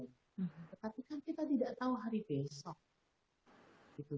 tetapi kan kita tidak tahu hari besok